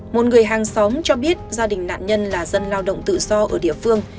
một người hàng xóm cho biết gia đình nạn nhân là dân lao động tự do ở địa phương